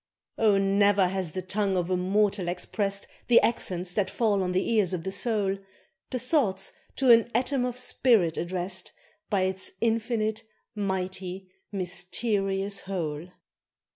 Oh! ne'er has the tongue of a mortal expressed The accents that fall on the ears of the soul, The thoughts to an atom of spirit addressed By its infinite, mighty, mysterious whole.